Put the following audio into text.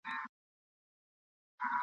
چي شعر له نثر څخه بېلوي !.